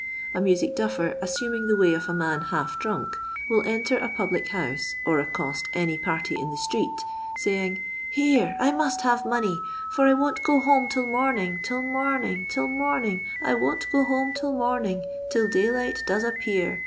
A music duffer, assuming the way of a man half drunk, will enter a public house or accost any party in the street, saying :" Here, I must have money, for I won't go home 'til morning, 'til morning, 'til morning, I won't go home 'til morning, 'til daylight does appear.